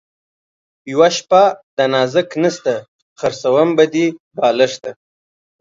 یوه شپه ده نازک نسته ـ خرڅوم به دې بالښته